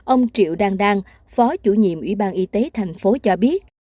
ông triệu đan đan phó chủ nhiệm ủy ban y tế thành phố cho biết